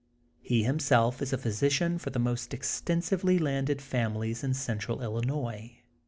He himself is a physician for the most extensively landed families in central Illinois.